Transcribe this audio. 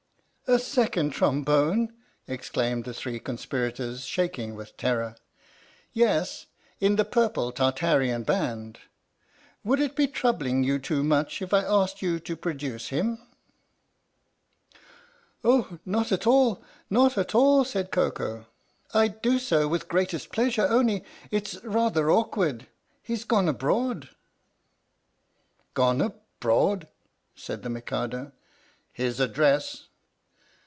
"A Second Trombone!" exclaimed the three conspirators, shaking with terror. " Yes in the Purple Tartarian Band. Would it be troubling you too much if I asked you to produce him?" " Oh, not at all not at all," said Koko. " I'd do so with greatest pleasure only it 's rather awkward he 's gone abroad !"" Gone abroad? " said the Mikado. " His address?"